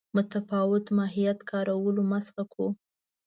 متفاوت ماهیت کارولو مسخه کړو.